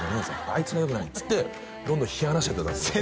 「あいつがよくない」っつってどんどん引き離していったんすよ